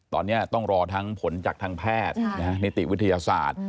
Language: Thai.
ตอนนี้ต้องรอทั้งผลจากทางแพทย์นิติวิทยาศาสตร์